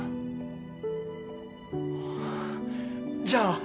じゃあ。